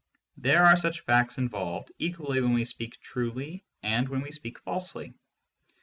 There are such facts involved, equally when we speak truly and when we speak falsely.